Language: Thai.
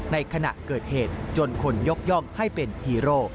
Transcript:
ในขณะเกิดเหตุจนคนยกย่องให้เป็นฮีโร่